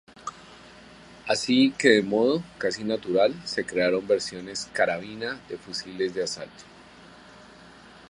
Así que de modo casi natural se crearon versiones carabina de fusiles de asalto.